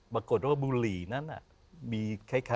มากลุ่นบลี